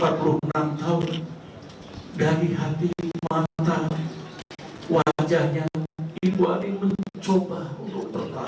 saya menampilkan empat puluh enam tahun dari hati mata wajahnya ibu ani mencoba untuk bertahan